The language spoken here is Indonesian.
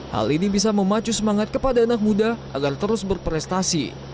hal ini bisa memacu semangat kepada anak muda agar terus berprestasi